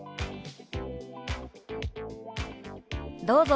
どうぞ。